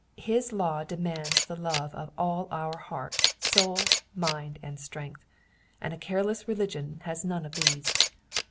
His law demands the love of all our heart, soul, mind, and strength ; and a careless religion has none of these.